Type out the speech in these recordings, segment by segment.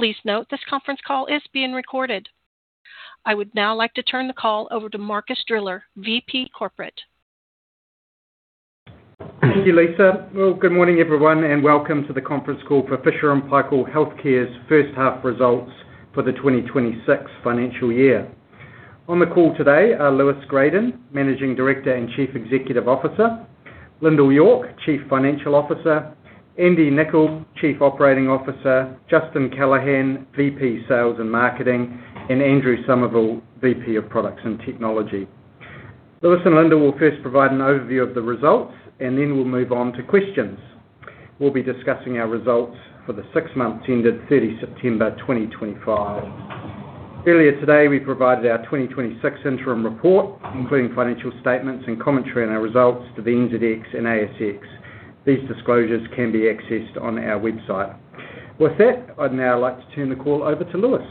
Please note this conference call is being recorded. I would now like to turn the call over to Marcus Driller, VP Corporate. Thank you, Lisa. Good morning, everyone, and welcome to the conference call for Fisher & Paykel Healthcare's first half results for the 2026 financial year. On the call today are Lewis Gradon, Managing Director and Chief Executive Officer; Lyndal York, Chief Financial Officer; Andy Niccol, Chief Operating Officer; Justin Callahan, VP Sales and Marketing; and Andrew Somerville, VP of Products and Technology. Lewis and Lyndal will first provide an overview of the results, and then we'll move on to questions. We'll be discussing our results for the six-month period ended 30 September 2025. Earlier today, we provided our 2026 interim report, including financial statements and commentary on our results to the NZX and ASX. These disclosures can be accessed on our website. With that, I'd now like to turn the call over to Lewis.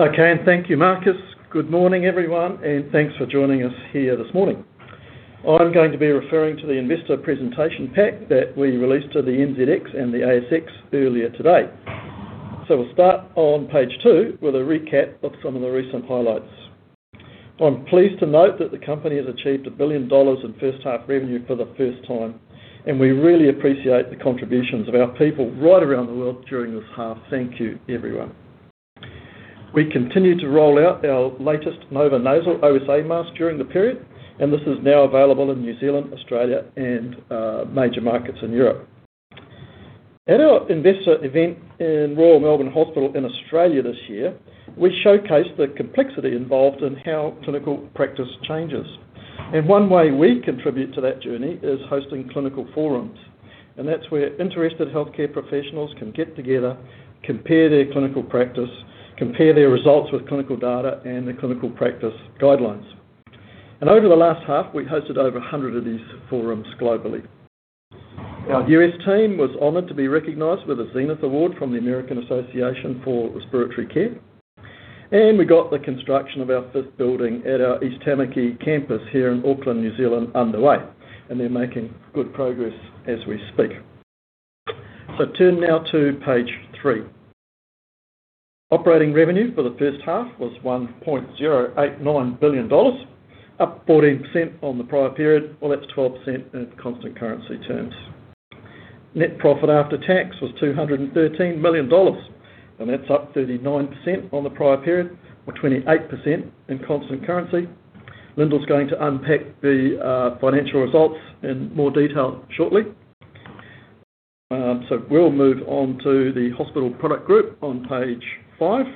Okay, and thank you, Marcus. Good morning, everyone, and thanks for joining us here this morning. I'm going to be referring to the investor presentation pack that we released to the NZX and the ASX earlier today. We will start on page two with a recap of some of the recent highlights. I'm pleased to note that the company has achieved 1 billion dollars in first half revenue for the first time, and we really appreciate the contributions of our people right around the world during this half. Thank you, everyone. We continue to roll out our latest Nova Nasal OSA mask during the period, and this is now available in New Zealand, Australia, and major markets in Europe. At our investor event in Royal Melbourne Hospital in Australia this year, we showcased the complexity involved in how clinical practice changes. One way we contribute to that journey is hosting clinical forums, and that's where interested healthcare professionals can get together, compare their clinical practice, compare their results with clinical data, and the clinical practice guidelines. Over the last half, we hosted over 100 of these forums globally. Our US team was honored to be recognized with a Zenith Award from the American Association for Respiratory Care, and we got the construction of our fifth building at our East Tamaki campus here in Auckland, New Zealand, underway, and they're making good progress as we speak. Turn now to page three. Operating revenue for the first half was 1.089 billion dollars, up 14% on the prior period, or that's 12% in constant currency terms. Net profit after tax was 213 million dollars, and that's up 39% on the prior period, or 28% in constant currency. Lyndal's going to unpack the financial results in more detail shortly. We'll move on to the hospital product group on page five.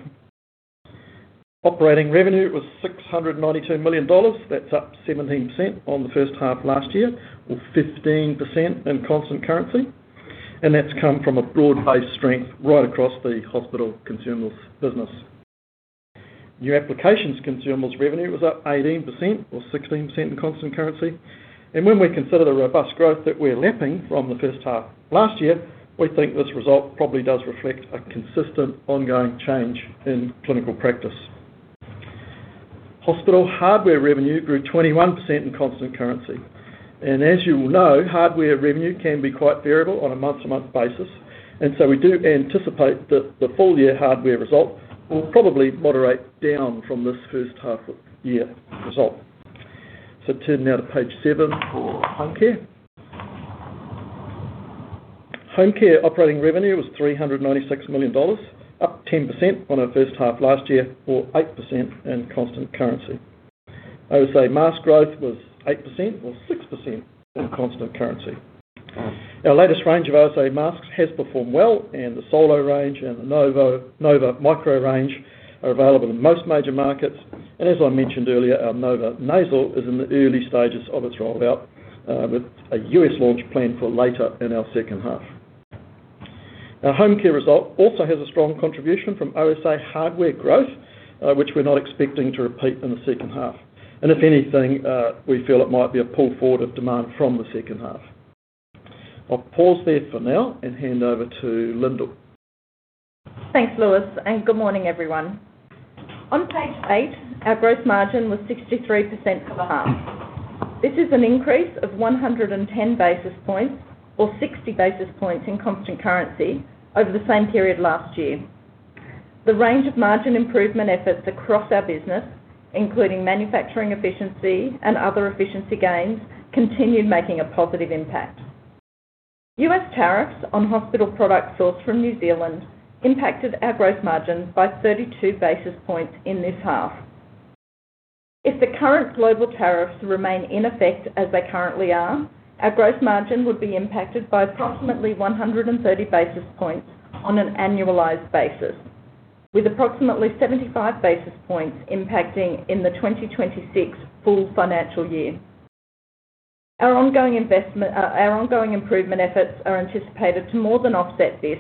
Operating revenue was 692 million dollars. That's up 17% on the first half last year, or 15% in constant currency, and that's come from a broad-based strength right across the hospital consumer business. New applications consumers' revenue was up 18%, or 16% in constant currency, and when we consider the robust growth that we're lapping from the first half last year, we think this result probably does reflect a consistent ongoing change in clinical practice. Hospital hardware revenue grew 21% in constant currency, and as you will know, hardware revenue can be quite variable on a month-to-month basis, and we do anticipate that the full-year hardware result will probably moderate down from this first half-year result. Turn now to page seven for home care. Home care operating revenue was 396 million dollars, up 10% on our first half last year, or 8% in constant currency. OSA mask growth was 8%, or 6% in constant currency. Our latest range of OSA masks has performed well, and the Solo range and the Nova Micro range are available in most major markets, and as I mentioned earlier, our Nova Nasal is in the early stages of its rollout, with a U.S. launch planned for later in our second half. Our home care result also has a strong contribution from OSA hardware growth, which we're not expecting to repeat in the second half, and if anything, we feel it might be a pull forward of demand from the second half. I'll pause there for now and hand over to Lyndal. Thanks, Lewis, and good morning, everyone. On page eight, our gross margin was 63% for the half. This is an increase of 110 basis points, or 60 basis points in constant currency, over the same period last year. The range of margin improvement efforts across our business, including manufacturing efficiency and other efficiency gains, continued making a positive impact. U.S. tariffs on hospital products sourced from New Zealand impacted our gross margins by 32 basis points in this half. If the current global tariffs remain in effect as they currently are, our gross margin would be impacted by approximately 130 basis points on an annualized basis, with approximately 75 basis points impacting in the 2026 full financial year. Our ongoing improvement efforts are anticipated to more than offset this,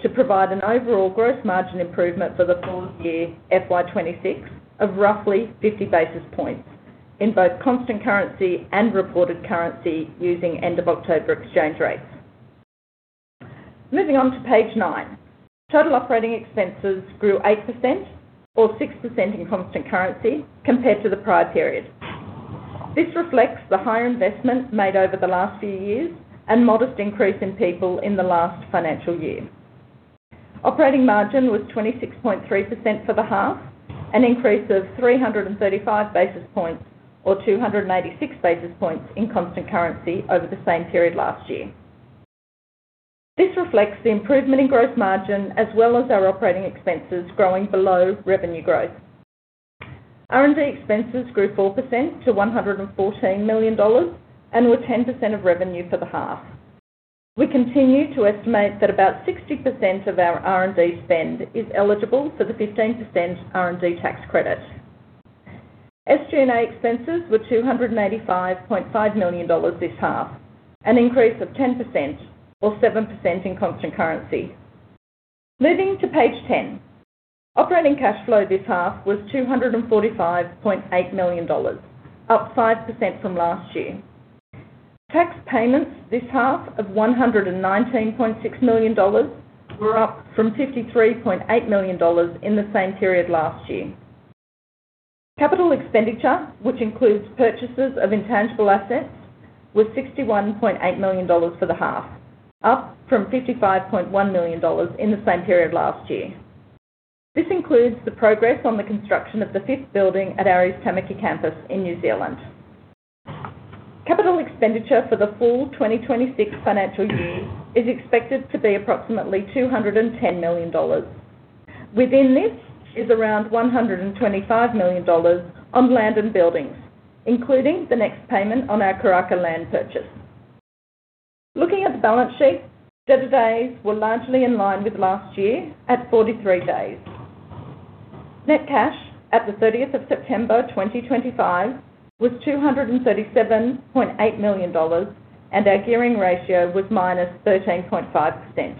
to provide an overall gross margin improvement for the full-year FY 2026 of roughly 50 basis points in both constant currency and reported currency using end-of-October exchange rates. Moving on to page nine, total operating expenses grew 8%, or 6% in constant currency, compared to the prior period. This reflects the higher investment made over the last few years and modest increase in people in the last financial year. Operating margin was 26.3% for the half, an increase of 335 basis points, or 296 basis points in constant currency over the same period last year. This reflects the improvement in gross margin as well as our operating expenses growing below revenue growth. R&D expenses grew 4% to 114 million dollars and were 10% of revenue for the half. We continue to estimate that about 60% of our R&D spend is eligible for the 15% R&D tax credit. SG&A expenses were 285.5 million dollars this half, an increase of 10%, or 7% in constant currency. Moving to page ten, operating cash flow this half was 245.8 million dollars, up 5% from last year. Tax payments this half of 119.6 million dollars were up from 53.8 million dollars in the same period last year. Capital expenditure, which includes purchases of intangible assets, was 61.8 million dollars for the half, up from 55.1 million dollars in the same period last year. This includes the progress on the construction of the fifth building at our East Tamaki campus in New Zealand. Capital expenditure for the full 2026 financial year is expected to be approximately 210 million dollars. Within this is around 125 million dollars on land and buildings, including the next payment on our Karaka land purchase. Looking at the balance sheet, debtor days were largely in line with last year at 43 days. Net cash at the 30th of September 2025 was 237.8 million dollars, and our gearing ratio was -13.5%.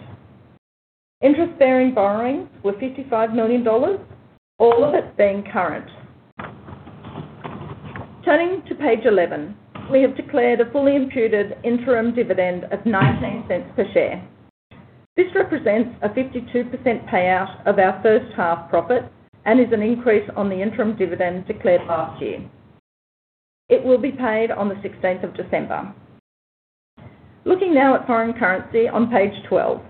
Interest-bearing borrowings were 55 million dollars, all of it being current. Turning to page 11, we have declared a fully imputed interim dividend of 0.19 per share. This represents a 52% payout of our first half profit and is an increase on the interim dividend declared last year. It will be paid on the 16th of December. Looking now at foreign currency on page 12,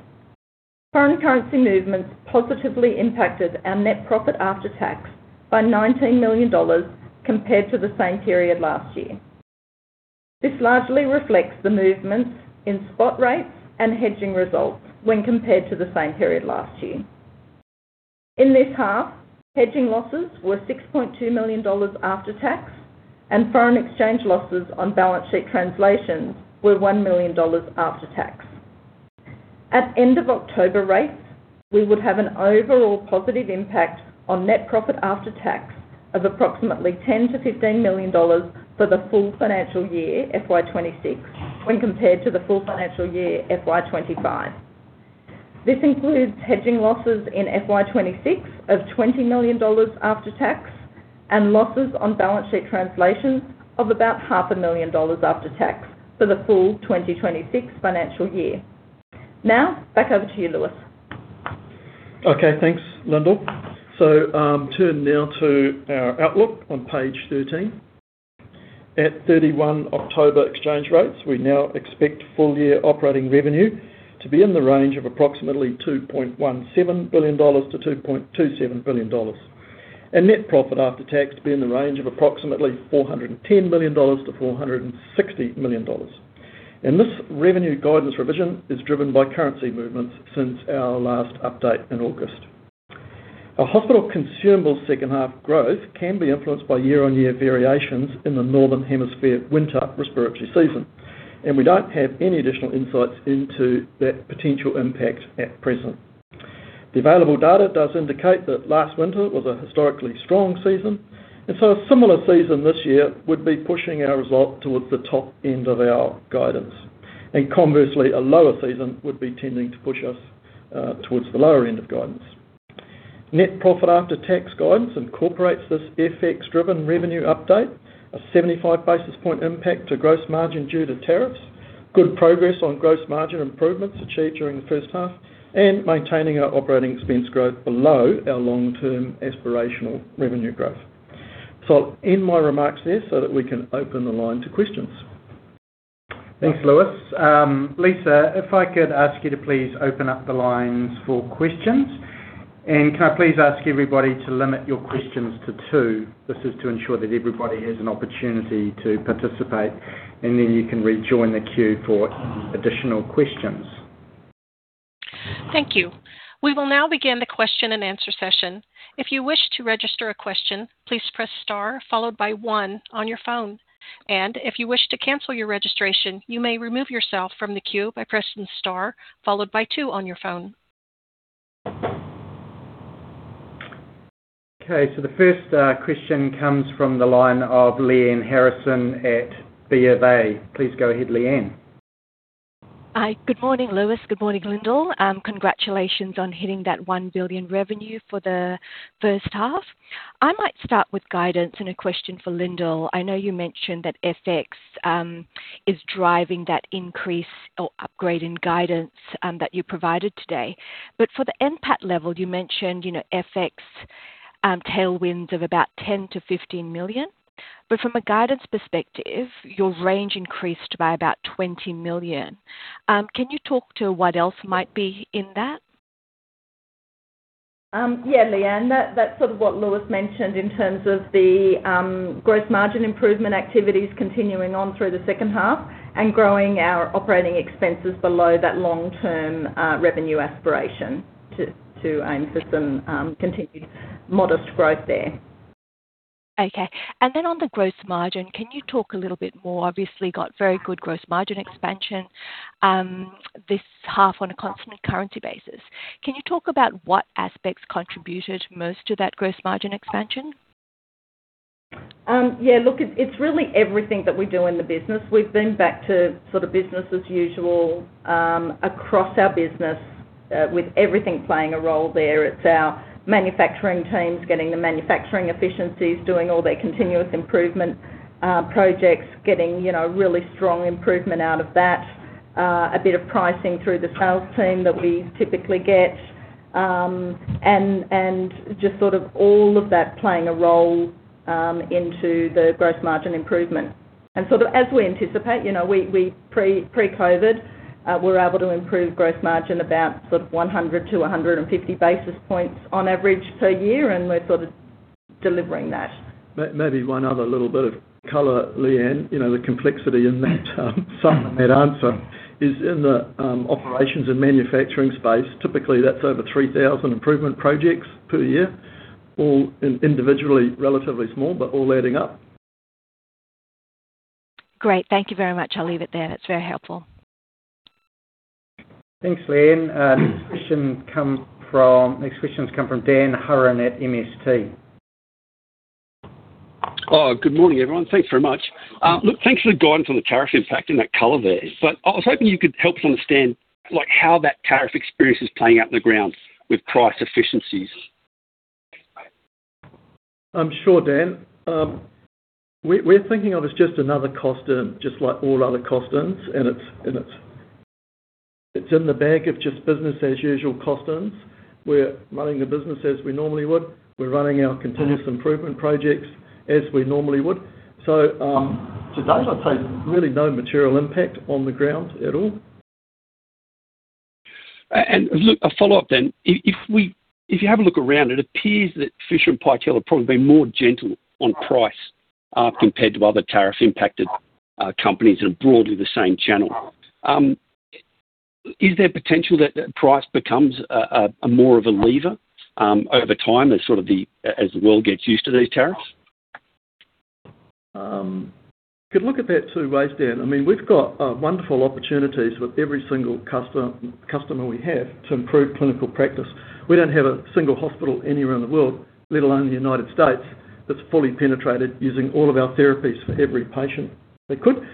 foreign currency movements positively impacted our net profit after tax by 19 million dollars compared to the same period last year. This largely reflects the movements in spot rates and hedging results when compared to the same period last year. In this half, hedging losses were 6.2 million dollars after tax, and foreign exchange losses on balance sheet translations were 1 million dollars after tax. At end-of-October rates, we would have an overall positive impact on net profit after tax of approximately 10-15 million dollars for the full financial year FY 2026 when compared to the full financial year FY 2025. This includes hedging losses in FY 2026 of 20 million dollars after tax and losses on balance sheet translations of about 500,000 dollars after tax for the full 2026 financial year. Now, back over to you, Lewis. Okay, thanks, Lyndal. Turning now to our outlook on page 13. At 31 October exchange rates, we now expect full-year operating revenue to be in the range of approximately 2.17 billion-2.27 billion dollars, and net profit after tax to be in the range of approximately 410 million-460 million dollars. This revenue guidance revision is driven by currency movements since our last update in August. Our hospital consumables second half growth can be influenced by year-on-year variations in the northern hemisphere winter respiratory season, and we do not have any additional insights into that potential impact at present. The available data does indicate that last winter was a historically strong season, and a similar season this year would be pushing our result towards the top end of our guidance. Conversely, a lower season would be tending to push us towards the lower end of guidance. Net profit after tax guidance incorporates this FX-driven revenue update, a 75 basis point impact to gross margin due to tariffs, good progress on gross margin improvements achieved during the first half, and maintaining our operating expense growth below our long-term aspirational revenue growth. I'll end my remarks there so that we can open the line to questions. Thanks, Lewis. Lisa, if I could ask you to please open up the lines for questions, and can I please ask everybody to limit your questions to two? This is to ensure that everybody has an opportunity to participate, and then you can rejoin the queue for any additional questions. Thank you. We will now begin the question and answer session. If you wish to register a question, please press star followed by one on your phone, and if you wish to cancel your registration, you may remove yourself from the queue by pressing star followed by two on your phone. Okay, so the first question comes from the line of Lyanne Harrison at B of A. Please go ahead, Lyanne. Hi, good morning, Lewis. Good morning, Lyndal. Congratulations on hitting that 1 billion revenue for the first half. I might start with guidance and a question for Lyndal. I know you mentioned that FX is driving that increase or upgrade in guidance that you provided today, but for the NPAT level, you mentioned FX tailwinds of about 10-15 million, but from a guidance perspective, your range increased by about 20 million. Can you talk to what else might be in that? Yeah, Lyanne, that's sort of what Lewis mentioned in terms of the gross margin improvement activities continuing on through the second half and growing our operating expenses below that long-term revenue aspiration to aim for some continued modest growth there. Okay, and then on the gross margin, can you talk a little bit more? Obviously, got very good gross margin expansion this half on a constant currency basis. Can you talk about what aspects contributed most to that gross margin expansion? Yeah, look, it's really everything that we do in the business. We've been back to sort of business as usual across our business with everything playing a role there. It's our manufacturing teams getting the manufacturing efficiencies, doing all their continuous improvement projects, getting really strong improvement out of that, a bit of pricing through the sales team that we typically get, and just sort of all of that playing a role into the gross margin improvement. As we anticipate, pre-COVID, we're able to improve gross margin about 100-150 basis points on average per year, and we're sort of delivering that. Maybe one other little bit of color, Lyanne, the complexity in that answer is in the operations and manufacturing space. Typically, that's over 3,000 improvement projects per year, all individually relatively small, but all adding up. Great, thank you very much. I'll leave it there. That's very helpful. Thanks, Lyanne. Next question comes from Dan Hurren at MST. Oh, good morning, everyone. Thanks very much. Look, thanks for the guidance on the tariff impact and that color there, but I was hoping you could help us understand how that tariff experience is playing out on the ground with price efficiencies. I'm sure, Dan. We're thinking of it as just another cost, just like all other costs, and it's in the bag of just business as usual costs. We're running the business as we normally would. We're running our continuous improvement projects as we normally would. Today, I'd say really no material impact on the ground at all. Look, a follow-up then. If you have a look around, it appears that Fisher & Paykel Healthcare have probably been more gentle on price compared to other tariff-impacted companies in broadly the same channel. Is there potential that price becomes more of a lever over time as the world gets used to these tariffs? Could look at that two ways, Dan. I mean, we've got wonderful opportunities with every single customer we have to improve clinical practice. We don't have a single hospital anywhere in the world, let alone the United States, that's fully penetrated using all of our therapies for every patient they could.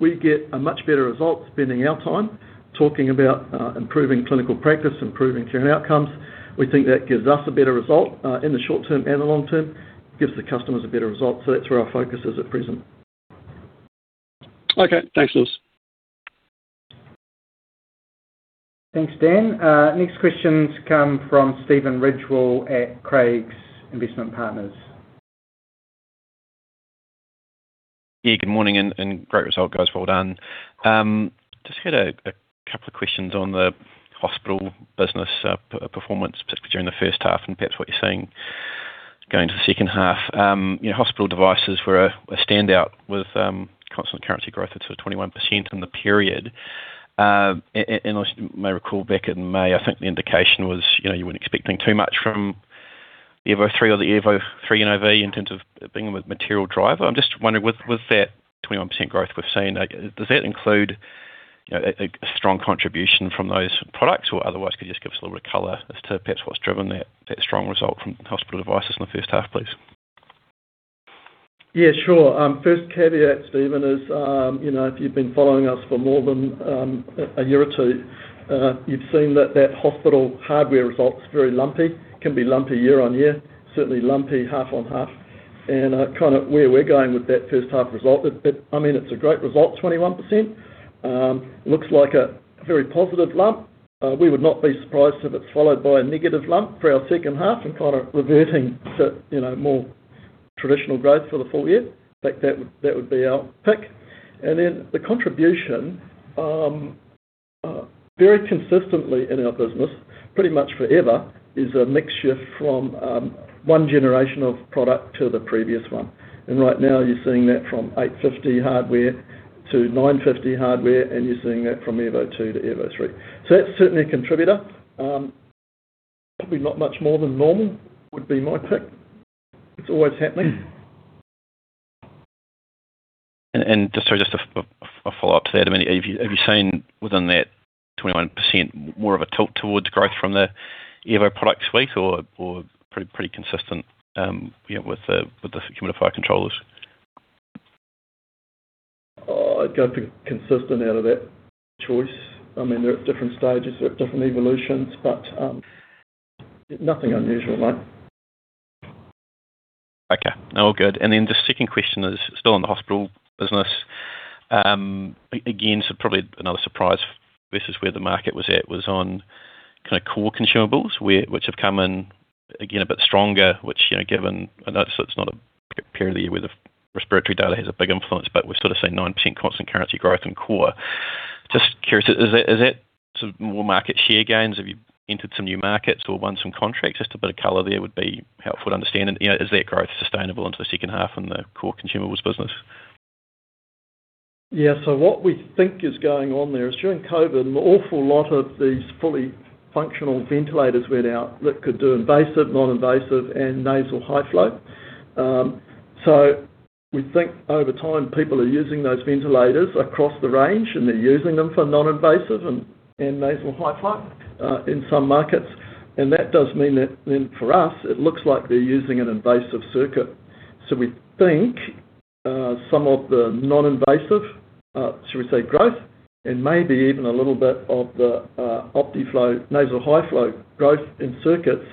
We think we get a much better result spending our time talking about improving clinical practice, improving care and outcomes. We think that gives us a better result in the short term and the long term, gives the customers a better result. That's where our focus is at present. Okay, thanks, Lewis. Thanks, Dan. Next questions come from Stephen Ridgewell at Craigs Investment Partners. Yeah, good morning and great result, guys. Well done. Just had a couple of questions on the hospital business performance, particularly during the first half and perhaps what you're seeing going to the second half. Hospital devices were a standout with constant currency growth of 21% in the period. I recall back in May, I think the indication was you weren't expecting too much from Airvo 3 or the Airvo 3 NIV in terms of being a material driver. I'm just wondering, with that 21% growth we've seen, does that include a strong contribution from those products or otherwise could you just give us a little bit of color as to perhaps what's driven that strong result from hospital devices in the first half, please? Yeah, sure. First caveat, Stephen, is if you've been following us for more than a year or two, you've seen that that hospital hardware result's very lumpy. It can be lumpy year on year, certainly lumpy half on half. Kind of where we're going with that first half result, I mean, it's a great result, 21%. Looks like a very positive lump. We would not be surprised if it's followed by a negative lump for our second half and kind of reverting to more traditional growth for the full year. In fact, that would be our pick. The contribution, very consistently in our business, pretty much forever, is a mixture from one generation of product to the previous one. Right now, you're seeing that from 850 hardware to 950 hardware, and you're seeing that from Airvo 2 to Airvo 3. That's certainly a contributor. Probably not much more than normal would be my pick. It's always happening. Sorry, just a follow-up to that. I mean, have you seen within that 21% more of a tilt towards growth from the Airvo product suite or pretty consistent with the humidifier controllers? I'd go for consistent out of that choice. I mean, there are different stages, there are different evolutions, but nothing unusual, mate. Okay, all good. The second question is still in the hospital business. Again, probably another surprise versus where the market was at was on kind of core consumables, which have come in, again, a bit stronger, which given I know it's not a period of the year where the respiratory data has a big influence, but we've sort of seen 9% constant currency growth in core. Just curious, is that sort of more market share gains? Have you entered some new markets or won some contracts? Just a bit of color there would be helpful to understand. Is that growth sustainable into the second half in the core consumables business? Yeah, so what we think is going on there is during COVID, an awful lot of these fully functional ventilators went out that could do invasive, noninvasive, and nasal high flow. We think over time, people are using those ventilators across the range, and they're using them for noninvasive and nasal high flow in some markets. That does mean that then for us, it looks like they're using an invasive circuit. We think some of the noninvasive, shall we say, growth, and maybe even a little bit of the Optiflow nasal high flow growth in circuits,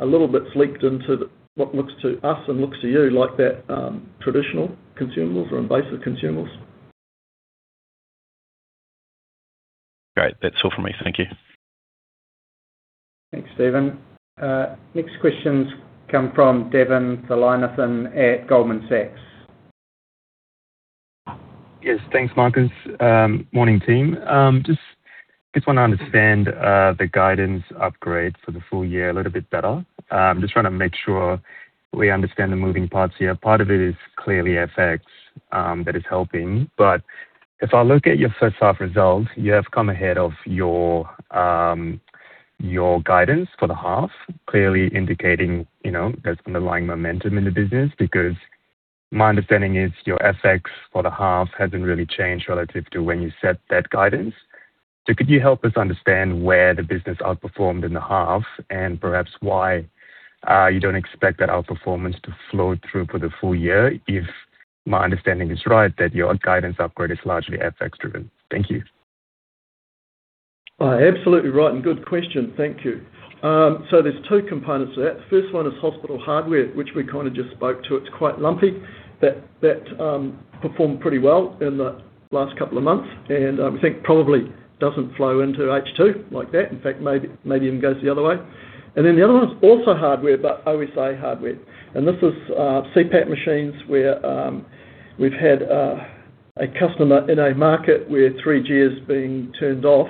a little bit sleeped into what looks to us and looks to you like that traditional consumables or invasive consumables. Great, that's all from me. Thank you. Thanks, Stephen. Next questions come from Davin Thillainathan at Goldman Sachs. Yes, thanks, Marcus. Morning, team. Just want to understand the guidance upgrade for the full year a little bit better. Just want to make sure we understand the moving parts here. Part of it is clearly FX that is helping, but if I look at your first half result, you have come ahead of your guidance for the half, clearly indicating there's underlying momentum in the business because my understanding is your FX for the half hasn't really changed relative to when you set that guidance. Could you help us understand where the business outperformed in the half and perhaps why you don't expect that outperformance to flow through for the full year if my understanding is right that your guidance upgrade is largely FX-driven? Thank you. Absolutely right and good question. Thank you. There are two components to that. The first one is hospital hardware, which we kind of just spoke to. It's quite lumpy. That performed pretty well in the last couple of months, and we think probably doesn't flow into H2 like that. In fact, maybe even goes the other way. The other one is also hardware, but OSA hardware. This is CPAP machines where we've had a customer in a market where 3G is being turned off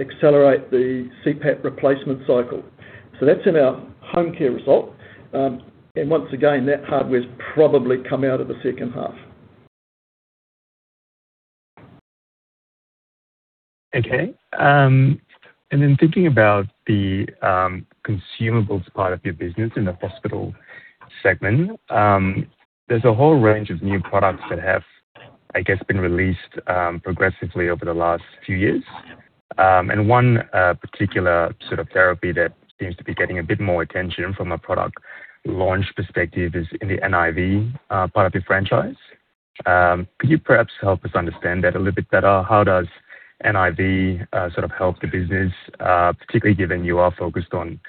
accelerate the CPAP replacement cycle. That's in our home care result. Once again, that hardware's probably come out of the second half. Okay. Then thinking about the consumables part of your business in the hospital segment, there's a whole range of new products that have, I guess, been released progressively over the last few years. One particular sort of therapy that seems to be getting a bit more attention from a product launch perspective is in the NIV part of your franchise. Could you perhaps help us understand that a little bit better? How does NIV sort of help the business, particularly given you are focused on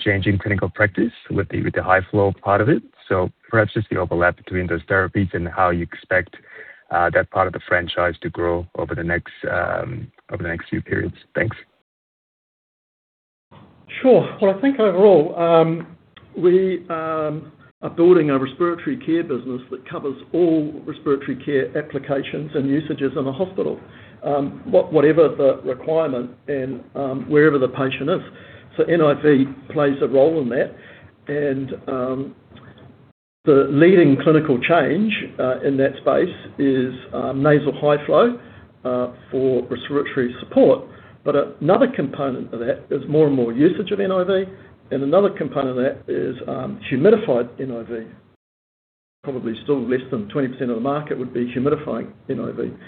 changing clinical practice with the high flow part of it? Perhaps just the overlap between those therapies and how you expect that part of the franchise to grow over the next few periods. Thanks. Sure. I think overall, we are building a respiratory care business that covers all respiratory care applications and usages in the hospital, whatever the requirement and wherever the patient is. NIV plays a role in that. The leading clinical change in that space is nasal high flow for respiratory support, but another component of that is more and more usage of NIV, and another component of that is humidified NIV. Probably still less than 20% of the market would be humidifying NIV.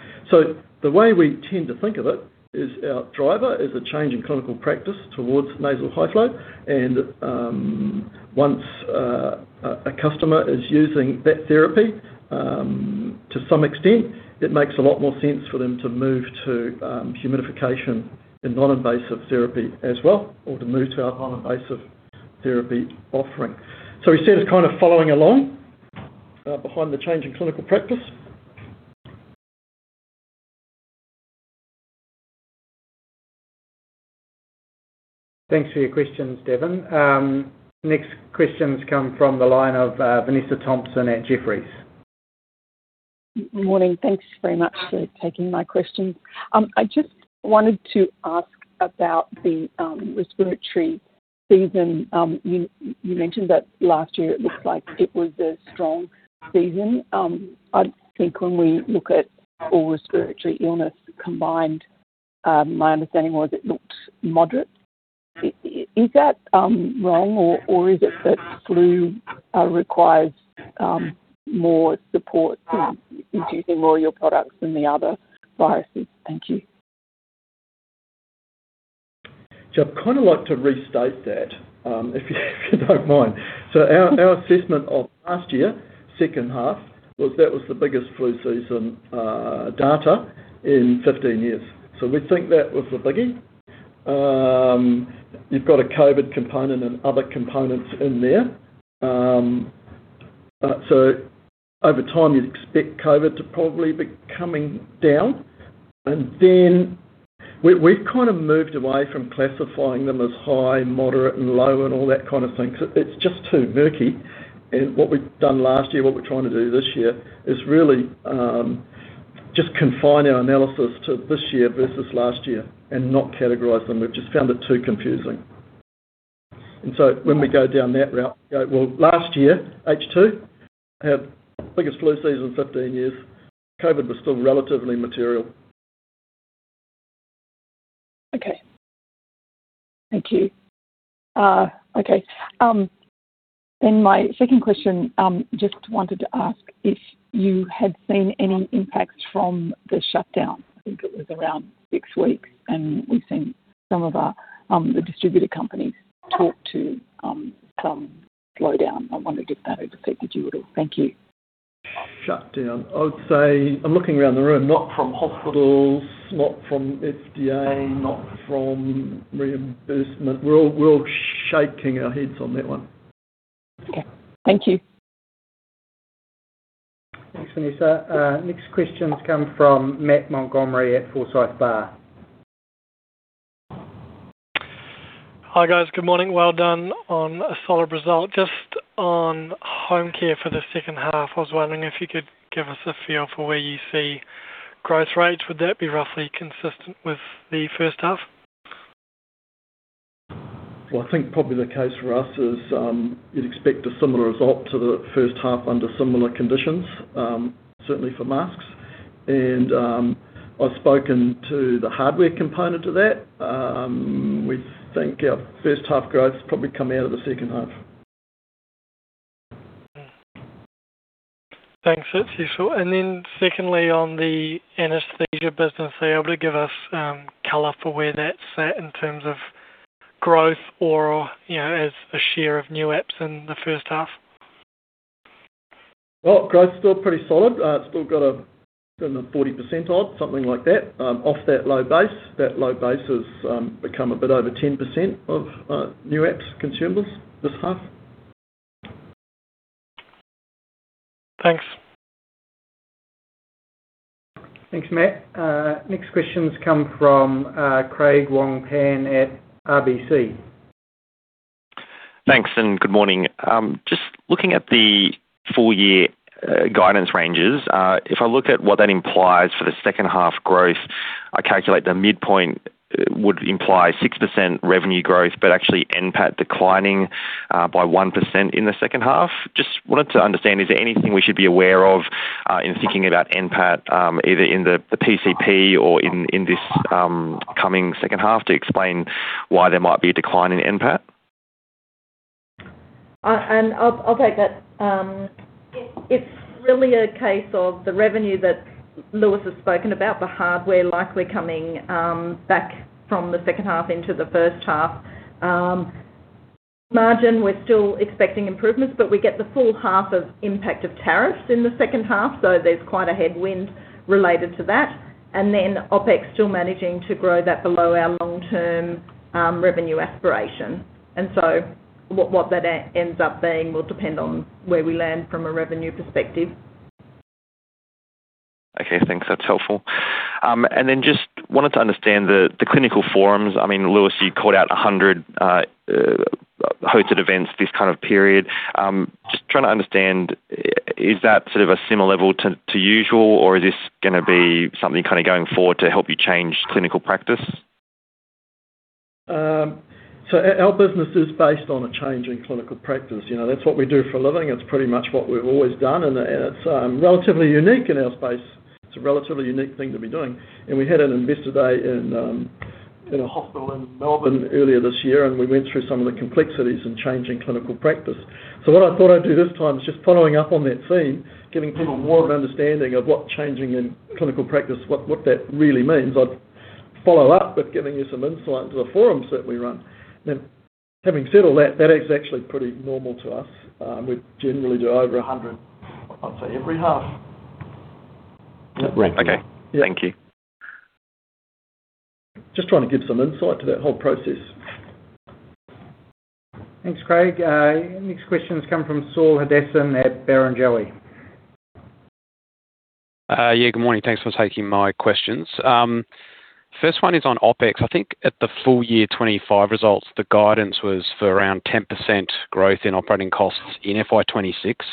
The way we tend to think of it is our driver is a change in clinical practice towards nasal high flow. Once a customer is using that therapy to some extent, it makes a lot more sense for them to move to humidification and non-invasive therapy as well, or to move to our non-invasive therapy offering. We see it as kind of following along behind the change in clinical practice. Thanks for your questions, Devin. Next questions come from the line of Vanessa Thomson at Jefferies. Morning. Thanks very much for taking my question. I just wanted to ask about the respiratory season. You mentioned that last year it looked like it was a strong season. I think when we look at all respiratory illness combined, my understanding was it looked moderate. Is that wrong, or is it that flu requires more support, introducing more of your products than the other viruses? Thank you. I'd kind of like to restate that if you don't mind. Our assessment of last year, second half, was that was the biggest flu season data in 15 years. We think that was the biggie. You've got a COVID component and other components in there. Over time, you'd expect COVID to probably be coming down. We've kind of moved away from classifying them as high, moderate, and low, and all that kind of thing. It's just too murky. What we've done last year, what we're trying to do this year, is really just confine our analysis to this year versus last year and not categorize them. We've just found it too confusing. When we go down that route, last year, H2, had biggest flu season in 15 years. COVID was still relatively material. Okay. Thank you. Okay. Then my second question, just wanted to ask if you had seen any impacts from the shutdown. I think it was around six weeks, and we've seen some of the distributor companies talk to some slowdown. I wondered if that had affected you at all. Thank you. Shutdown. I would say I'm looking around the room, not from hospitals, not from FDA, not from reimbursement. We're all shaking our heads on that one. Okay. Thank you. Thanks, Vanessa. Next questions come from Matt Montgomerie at Forsyth Barr. Hi guys. Good morning. Well done on a solid result. Just on home care for the second half, I was wondering if you could give us a feel for where you see growth rates. Would that be roughly consistent with the first half? I think probably the case for us is you'd expect a similar result to the first half under similar conditions, certainly for masks. I've spoken to the hardware component of that. We think our first half growth's probably come out of the second half. Thanks, that's useful. Secondly, on the anesthesia business, are you able to give us color for where that's at in terms of growth or as a share of new apps in the first half? Growth's still pretty solid. It's still got a 40% odd, something like that, off that low base. That low base has become a bit over 10% of new apps consumables this half. Thanks. Thanks, Matt. Next questions come from Craig Wong-Pan at RBC. Thanks and good morning. Just looking at the full year guidance ranges, if I look at what that implies for the second half growth, I calculate the midpoint would imply 6% revenue growth, but actually NPAT declining by 1% in the second half. Just wanted to understand, is there anything we should be aware of in thinking about NPAT, either in the PCP or in this coming second half, to explain why there might be a decline in NPAT? I'll take that. It's really a case of the revenue that Lewis has spoken about, the hardware likely coming back from the second half into the first half. Margin, we're still expecting improvements, but we get the full half of impact of tariffs in the second half, so there's quite a headwind related to that. OpEx still managing to grow that below our long-term revenue aspiration. What that ends up being will depend on where we land from a revenue perspective. Okay, thanks. That's helpful. I just wanted to understand the clinical forums. I mean, Lewis, you called out 100 hosted events this kind of period. Just trying to understand, is that sort of a similar level to usual, or is this going to be something kind of going forward to help you change clinical practice? Our business is based on a change in clinical practice. That's what we do for a living. It's pretty much what we've always done, and it's relatively unique in our space. It's a relatively unique thing to be doing. We had an investor day in a hospital in Melbourne earlier this year, and we went through some of the complexities in changing clinical practice. What I thought I'd do this time is just following up on that theme, giving people more of an understanding of what changing in clinical practice, what that really means. I'd follow up with giving you some insight into the forums that we run. Now, having said all that, that is actually pretty normal to us. We generally do over 100 once every half. Right. Okay. Thank you. Just trying to give some insight to that whole process. Thanks, Craig. Next questions come from Saul Hadassin at Barrenjoey. Yeah, good morning. Thanks for taking my questions. First one is on OpEx. I think at the full year 2025 results, the guidance was for around 10% growth in operating costs in FY 2026.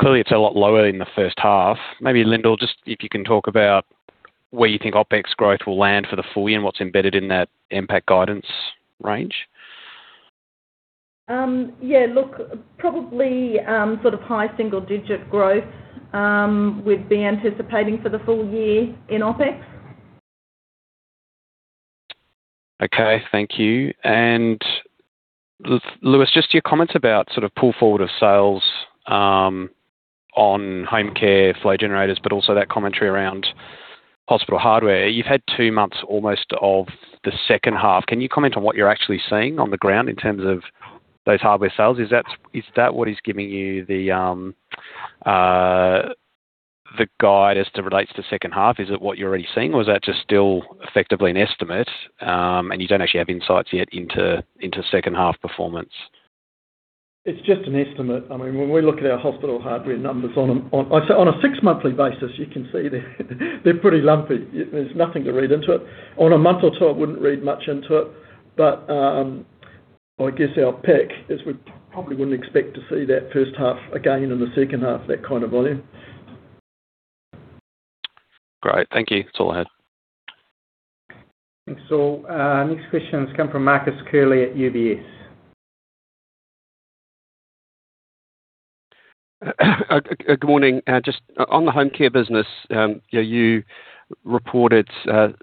Clearly, it's a lot lower in the first half. Maybe Lyndal, just if you can talk about where you think OpEx growth will land for the full year and what's embedded in that impact guidance range. Yeah, look, probably sort of high single-digit growth would be anticipating for the full year in OpEx. Okay, thank you. Lewis, just your comments about sort of pull forward of sales on home care, flow generators, but also that commentary around hospital hardware. You've had two months almost of the second half. Can you comment on what you're actually seeing on the ground in terms of those hardware sales? Is that what is giving you the guide as it relates to second half? Is it what you're already seeing, or is that just still effectively an estimate, and you don't actually have insights yet into second half performance? It's just an estimate. I mean, when we look at our hospital hardware numbers on a six-monthly basis, you can see they're pretty lumpy. There's nothing to read into it. On a month or two, I wouldn't read much into it. I guess our pick is we probably wouldn't expect to see that first half again in the second half, that kind of volume. Great. Thank you. That's all I had. Thanks, Saul. Next questions come from Marcus Curley at UBS. Good morning. Just on the home care business, you reported 6%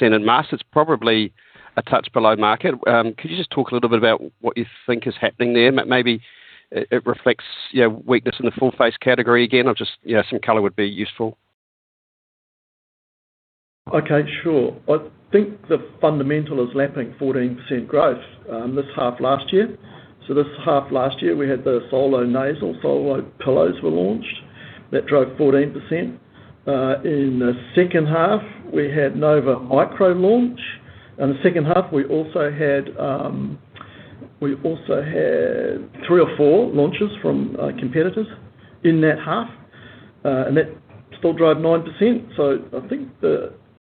in masks. It's probably a touch below market. Could you just talk a little bit about what you think is happening there? Maybe it reflects weakness in the full face category again. Just some color would be useful. Okay, sure. I think the fundamental is lapping 14% growth this half last year. This half last year, we had the Solo Nasal, Solo Pillows were launched. That drove 14%. In the second half, we had Nova Micro launch. In the second half, we also had three or four launches from competitors in that half. That still drove 9%. I think the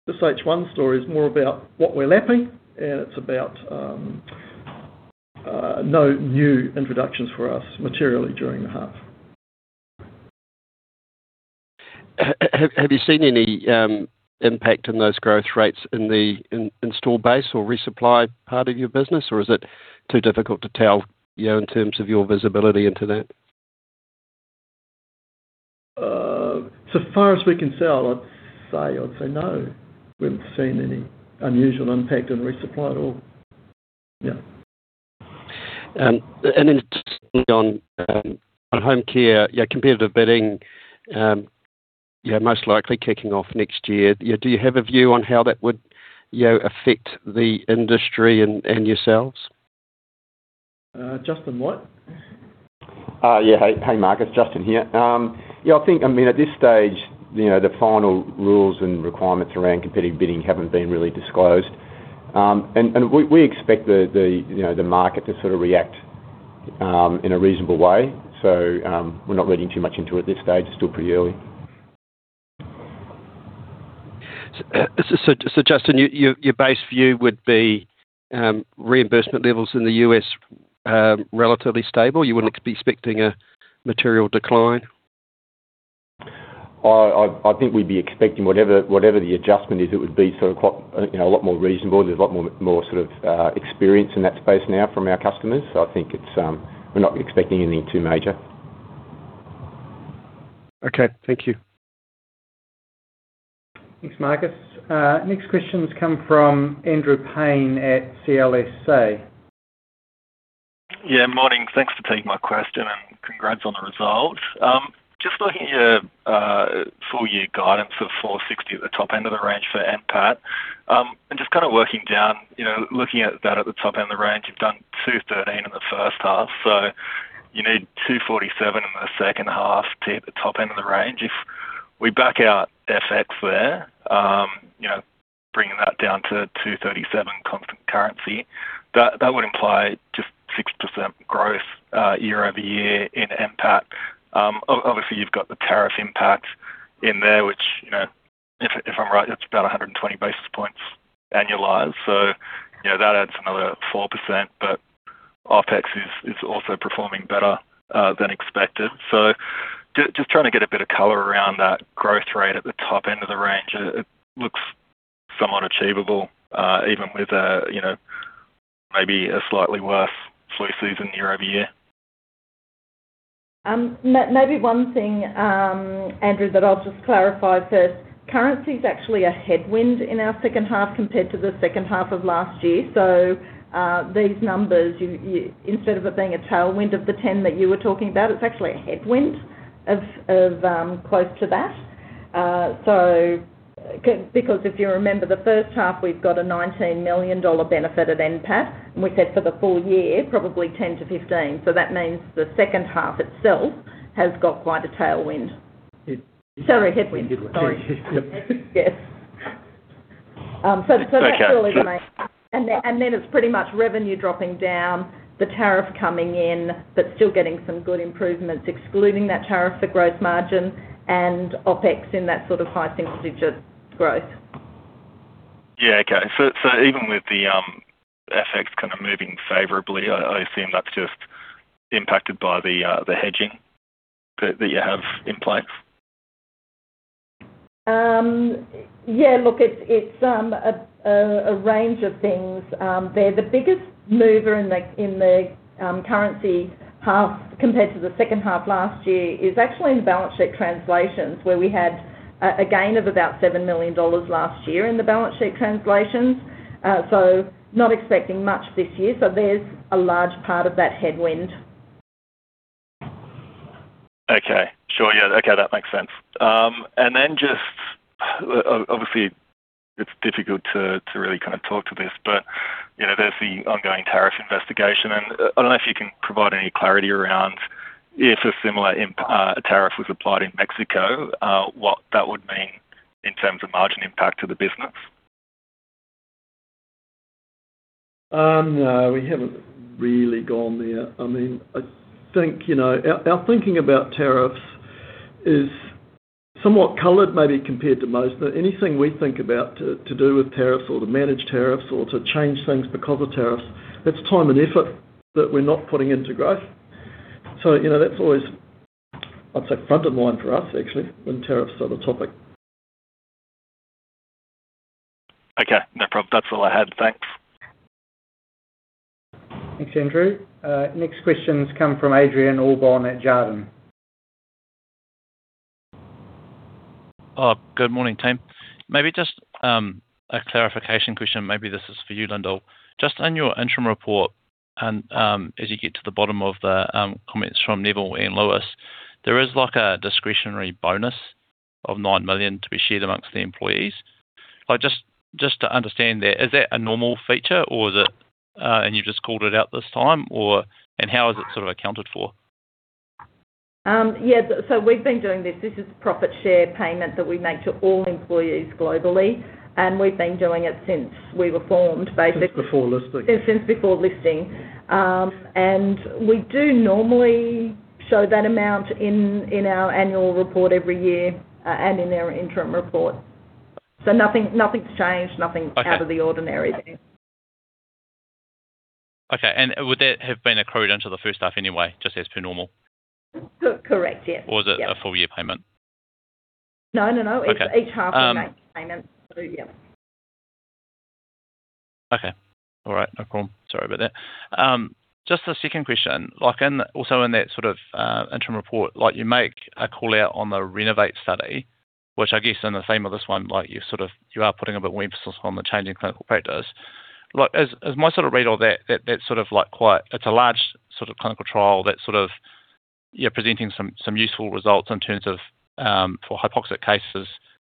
H1 story is more about what we're lapping, and it's about no new introductions for us materially during the half. Have you seen any impact in those growth rates in the install base or resupply part of your business, or is it too difficult to tell in terms of your visibility into that? As far as we can tell, I'd say no. We haven't seen any unusual impact in resupply at all. Yeah. On home care, competitive bidding, most likely kicking off next year. Do you have a view on how that would affect the industry and yourselves? Justin White. Yeah. Hey, Marcus. Justin here. Yeah, I think, I mean, at this stage, the final rules and requirements around competitive bidding have not been really disclosed. We expect the market to sort of react in a reasonable way. We are not reading too much into it at this stage. It is still pretty early. Justin, your base view would be reimbursement levels in the U.S. relatively stable. You wouldn't be expecting a material decline? I think we'd be expecting whatever the adjustment is, it would be sort of a lot more reasonable. There's a lot more sort of experience in that space now from our customers. I think we're not expecting anything too major. Okay. Thank you. Thanks, Marcus. Next questions come from Andrew Paine at CLSA. Yeah, morning. Thanks for taking my question and congrats on the results. Just looking at your full year guidance of 460 million at the top end of the range for NPAT. Just kind of working down, looking at that at the top end of the range, you've done 213 million in the first half. You need 247 million in the second half to hit the top end of the range. If we back out FX there, bringing that down to 237 million constant currency, that would imply just 6% growth year over year in NPAT. Obviously, you've got the tariff impact in there, which if I'm right, that's about 120 basis points annualized. That adds another 4%. OpEx is also performing better than expected. Just trying to get a bit of color around that growth rate at the top end of the range, it looks somewhat achievable, even with maybe a slightly worse flu season year over year. Maybe one thing, Andrew, that I'll just clarify first. Currency is actually a headwind in our second half compared to the second half of last year. These numbers, instead of it being a tailwind of the 10 that you were talking about, it's actually a headwind of close to that. Because if you remember, the first half, we've got a 19 million dollar benefit at NPAT, and we said for the full year, probably 10-15 million. That means the second half itself has got quite a tailwind. Sorry, headwind. Sorry. Yes. That's really the main. It's pretty much revenue dropping down, the tariff coming in, but still getting some good improvements, excluding that tariff for gross margin and OpEx in that sort of high single-digit growth. Yeah. Okay. Even with the FX kind of moving favorably, I assume that's just impacted by the hedging that you have in place. Yeah. Look, it's a range of things. The biggest mover in the currency half compared to the second half last year is actually in the balance sheet translations, where we had a gain of about 7 million dollars last year in the balance sheet translations. Not expecting much this year. There's a large part of that headwind. Okay. Sure. Yeah. Okay. That makes sense. Obviously, it's difficult to really kind of talk to this, but there's the ongoing tariff investigation. I don't know if you can provide any clarity around if a similar tariff was applied in Mexico, what that would mean in terms of margin impact to the business. No. We haven't really gone there. I mean, I think our thinking about tariffs is somewhat colored, maybe compared to most. Anything we think about to do with tariffs or to manage tariffs or to change things because of tariffs, that's time and effort that we're not putting into growth. That's always, I'd say, front of mind for us, actually, when tariffs are the topic. Okay. No problem. That's all I had. Thanks. Thanks, Andrew. Next questions come from Adrian Allbon at Jarden. Good morning, team. Maybe just a clarification question. Maybe this is for you, Lyndal. Just on your interim report, and as you get to the bottom of the comments from Neville and Lewis, there is a discretionary bonus of 9 million to be shared amongst the employees. Just to understand that, is that a normal feature, and you've just called it out this time? How is it sort of accounted for? Yeah. We've been doing this. This is a profit share payment that we make to all employees globally. We've been doing it since we were formed, basically. Since before listing. Since before listing. We do normally show that amount in our annual report every year and in our interim report. Nothing's changed, nothing out of the ordinary there. Would that have been accrued into the first half anyway, just as per normal? Correct. Yes. Or was it a full year payment? No, no. Each half we make payments. Yeah. Okay. All right. No problem. Sorry about that. Just a second question. Also in that sort of interim report, you make a call out on the RENOVATE study, which I guess in the theme of this one, you're sort of putting a bit of emphasis on the changing clinical practice. As my sort of read of that, that's sort of quite it's a large sort of clinical trial that sort of you're presenting some useful results in terms of for hypoxic cases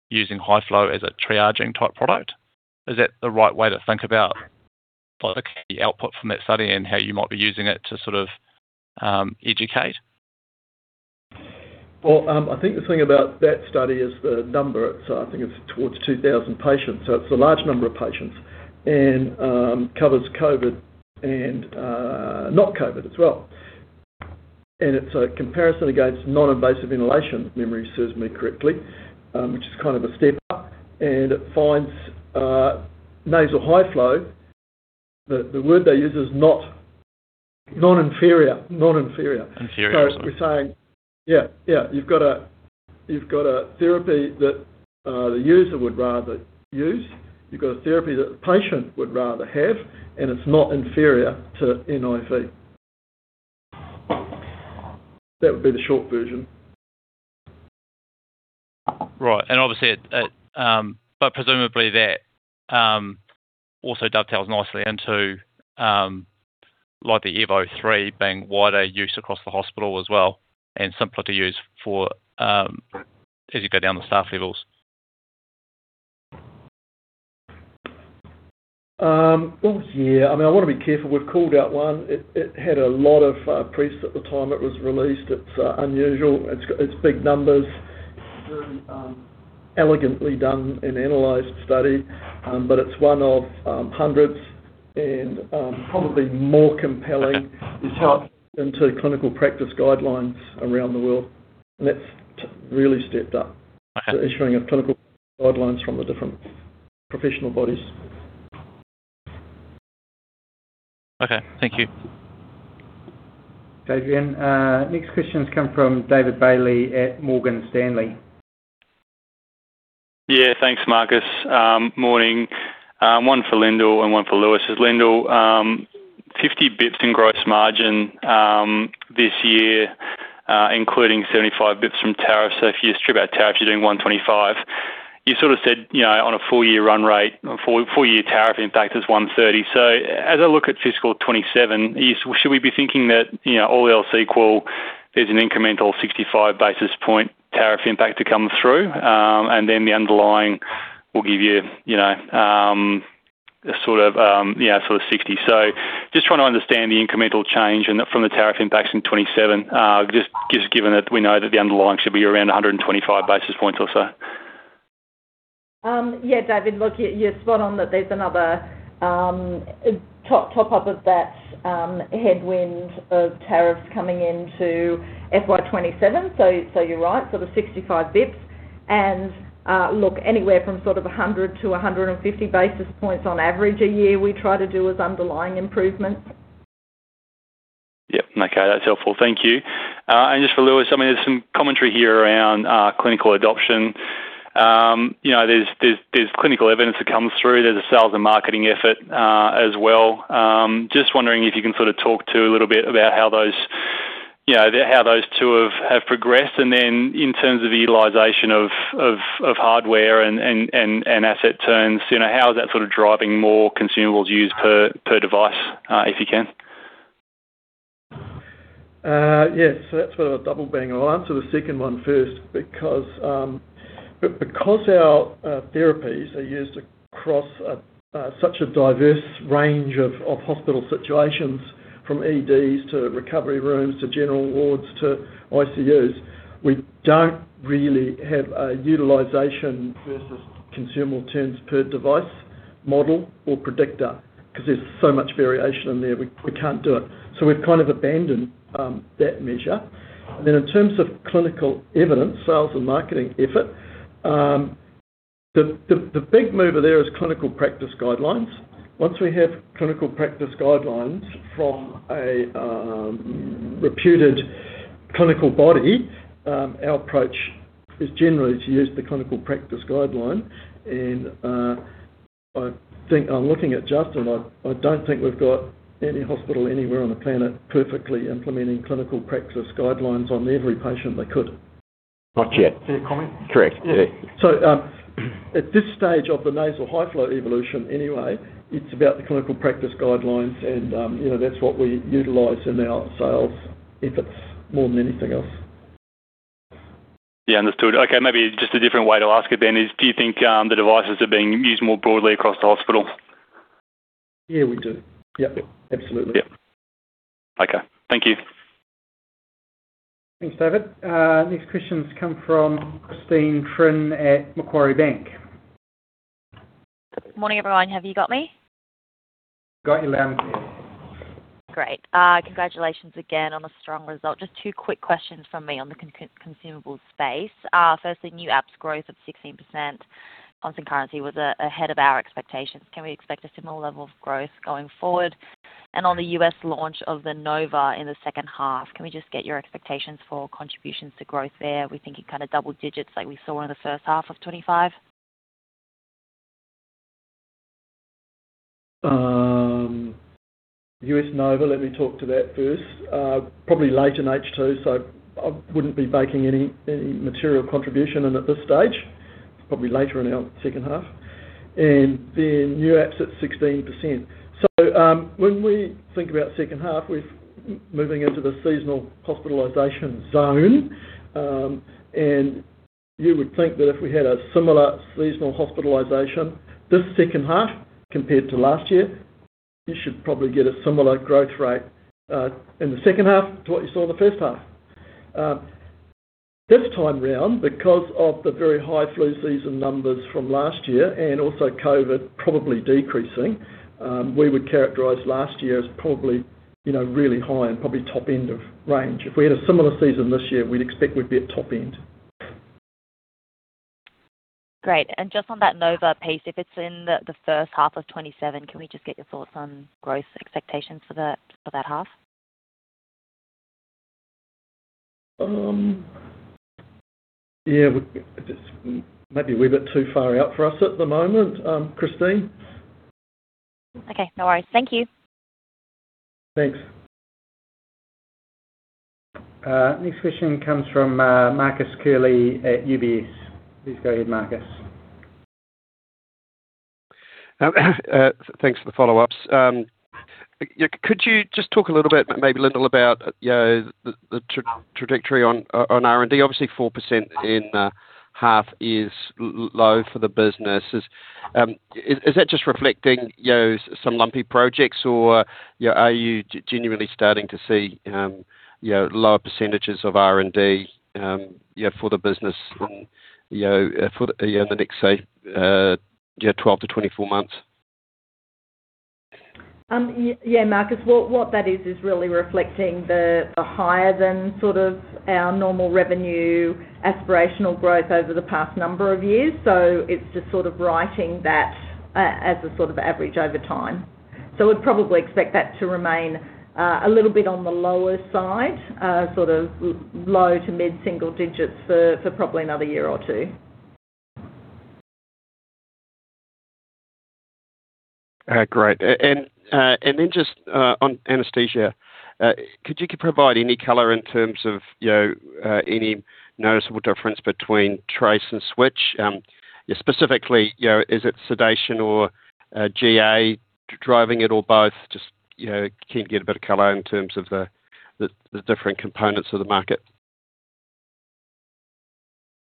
using high flow as a triaging type product. Is that the right way to think about the output from that study and how you might be using it to sort of educate? I think the thing about that study is the number. I think it's towards 2,000 patients. It's a large number of patients and covers COVID and not COVID as well. It's a comparison against non-invasive inhalation, if memory serves me correctly, which is kind of a step up. It finds nasal high flow, the word they use is not inferior. Inferior. Sorry, we're saying yeah. Yeah. You've got a therapy that the user would rather use. You've got a therapy that the patient would rather have, and it's not inferior to NIV. That would be the short version. Right. Obviously, that also dovetails nicely into the Airvo 3 being wider use across the hospital as well and simpler to use as you go down the staff levels. Yeah. I mean, I want to be careful. We've called out one. It had a lot of press at the time it was released. It's unusual. It's big numbers. It's very elegantly done and analyzed study, but it's one of hundreds. Probably more compelling is how it fits into clinical practice guidelines around the world. That's really stepped up, the issuing of clinical guidelines from the different professional bodies. Okay. Thank you. Okay. The next questions come from David Bailey at Morgan Stanley. Yeah. Thanks, Marcus. Morning. One for Lyndal and one for Lewis. Lyndal, 50 basis points in gross margin this year, including 75 basis points from tariff. If you strip out tariffs, you're doing 125 basis points. You sort of said on a full year run rate, full year tariff impact is 130 basis points. As I look at fiscal 2027, should we be thinking that all else equal, there's an incremental 65 basis point tariff impact to come through? The underlying will give you a sort of yeah, sort of 60 basis points. Just trying to understand the incremental change from the tariff impacts in 2027, given that we know that the underlying should be around 125 basis points or so. Yeah, David, look, you're spot on that there's another top-up of that headwind of tariffs coming into FY 2027. You're right. The 65 basis points. Anywhere from 100-150 basis points on average a year, we try to do as underlying improvements. Yep. Okay. That's helpful. Thank you. And just for Lewis, I mean, there's some commentary here around clinical adoption. There's clinical evidence that comes through. There's a sales and marketing effort as well. Just wondering if you can sort of talk to a little bit about how those two have progressed. And then in terms of the utilization of hardware and asset turns, how is that sort of driving more consumables used per device, if you can? Yeah. That's what I was double-banging on. I'll answer the second one first. Because our therapies are used across such a diverse range of hospital situations, from EDs to recovery rooms to general wards to ICUs, we don't really have a utilization versus consumable turns per device model or predictor because there's so much variation in there. We can't do it. We've kind of abandoned that measure. In terms of clinical evidence, sales and marketing effort, the big mover there is clinical practice guidelines. Once we have clinical practice guidelines from a reputed clinical body, our approach is generally to use the clinical practice guideline. I think I'm looking at Justin, I don't think we've got any hospital anywhere on the planet perfectly implementing clinical practice guidelines on every patient they could. Not yet. Is there a comment? Correct. Yeah. At this stage of the nasal high flow evolution anyway, it's about the clinical practice guidelines, and that's what we utilize in our sales efforts more than anything else. Yeah. Understood. Okay. Maybe just a different way to ask it then is, do you think the devices are being used more broadly across the hospital? Yeah, we do. Yep. Absolutely. Yep. Okay. Thank you. Thanks, David. Next questions come from Christine Trinh at Macquarie Bank. Morning, everyone. Have you got me? Got you, Lance. Great. Congratulations again on a strong result. Just two quick questions from me on the consumable space. Firstly, new apps growth of 16%. Constant currency was ahead of our expectations. Can we expect a similar level of growth going forward? On the U.S. launch of the Nova in the second half, can we just get your expectations for contributions to growth there? We're thinking kind of double digits like we saw in the first half of 2025. US Nova, let me talk to that first. Probably late in H2, so I wouldn't be making any material contribution at this stage. It's probably later in our second half. New apps at 16%. When we think about second half, we're moving into the seasonal hospitalization zone. You would think that if we had a similar seasonal hospitalization this second half compared to last year, you should probably get a similar growth rate in the second half to what you saw in the first half. This time around, because of the very high flu season numbers from last year and also COVID probably decreasing, we would characterize last year as probably really high and probably top end of range. If we had a similar season this year, we'd expect we'd be at top end. Great. Just on that Nova piece, if it's in the first half of 2027, can we just get your thoughts on growth expectations for that half? Yeah. Maybe we're a bit too far out for us at the moment, Christine. Okay. No worries. Thank you. Thanks. Next question comes from Marcus Curley at UBS. Please go ahead, Marcus. Thanks for the follow-ups. Could you just talk a little bit, maybe Lyndal, about the trajectory on R&D? Obviously, 4% in half is low for the business. Is that just reflecting some lumpy projects, or are you genuinely starting to see lower percentages of R&D for the business in the next, say, 12 to 24 months? Yeah. Marcus, what that is, is really reflecting the higher than sort of our normal revenue aspirational growth over the past number of years. It is just sort of writing that as a sort of average over time. We would probably expect that to remain a little bit on the lower side, sort of low to mid-single digits for probably another year or two. Great. Just on anesthesia, could you provide any color in terms of any noticeable difference between trace and switch? Specifically, is it sedation or GA driving it or both? Just can you get a bit of color in terms of the different components of the market?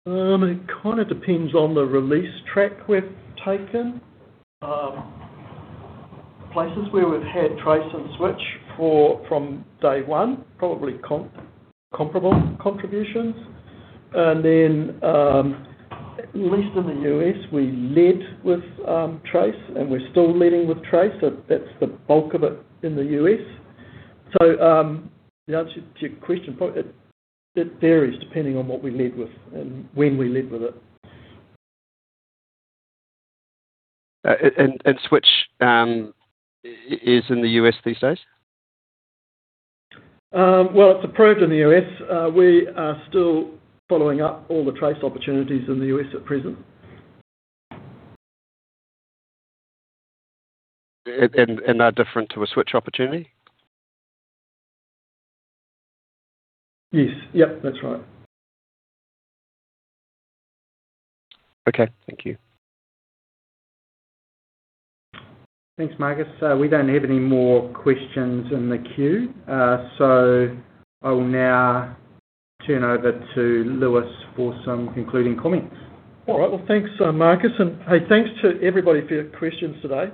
It kind of depends on the release track we've taken. Places where we've had trace and switch from day one, probably comparable contributions. At least in the U.S., we led with trace, and we're still leading with trace. That's the bulk of it in the U.S. The answer to your question, it varies depending on what we lead with and when we lead with it. Switch is in the U.S. these days? It's approved in the U.S. We are still following up all the trace opportunities in the U.S at present. Are different to a switch opportunity? Yes. Yep. That's right. Okay. Thank you. Thanks, Marcus. We do not have any more questions in the queue. I will now turn over to Lewis for some concluding comments. All right. Thanks, Marcus. Hey, thanks to everybody for your questions today.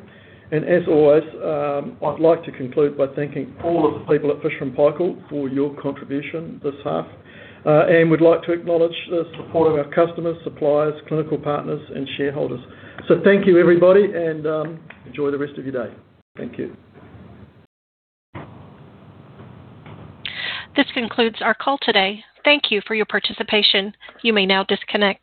As always, I'd like to conclude by thanking all of the people at Fisher & Paykel Healthcare for your contribution this half. We'd like to acknowledge the support of our customers, suppliers, clinical partners, and shareholders. Thank you, everybody, and enjoy the rest of your day. Thank you. This concludes our call today. Thank you for your participation. You may now disconnect.